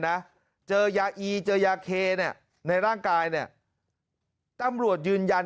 นะเจอยาอีเจอยาเคเนี่ยในร่างกายเนี่ยตำรวจยืนยัน